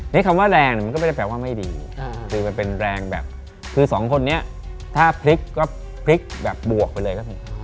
นี่คำว่าแรงมันก็ไม่ได้แปลว่าไม่ดีคือมันเป็นแรงแบบคือสองคนนี้ถ้าพลิกก็พลิกแบบบวกไปเลยครับผม